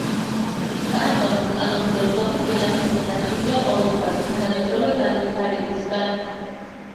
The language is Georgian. კანტონის კანონმდებლობით, ვენახები დაცულია ყოველგვარი თანამედროვე განვითარებისგან.